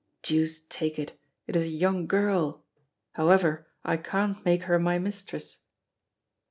Deuce take it, it is a young girl! However, I can't make her my mistress."